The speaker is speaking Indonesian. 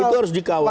itu harus dikawal